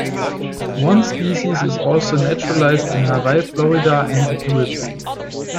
One species is also naturalized in Hawaii, Florida, and the Caribbean.